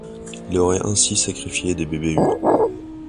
Il aurait ainsi sacrifié des bébés humains.